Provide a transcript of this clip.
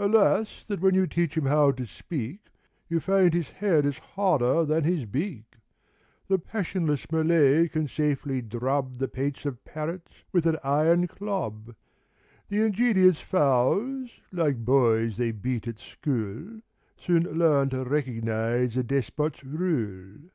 Alas that when you teach him how to speak You find his head is harder than his beak. The passionless Malay can safely drub The pates of parrots with an iron club : The ingenious fowls, like boys they beat at school, Soon learn to recognize a Despot's rule.